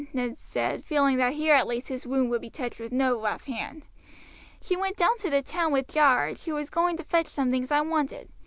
Ned said, feeling that here at least his wound would be touched with no rough hand. "She went down to the town with Jarge, who was going to fetch some things I wanted.